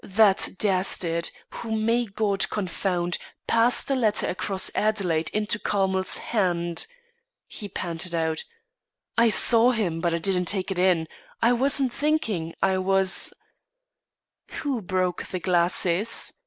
"That dastard, whom may God confound, passed a letter across Adelaide into Carmel's hand," he panted out. "I saw him, but I didn't take it in; I wasn't thinking. I was " "Who broke the glasses?"